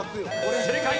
正解。